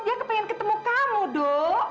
dia pengen ketemu kamu do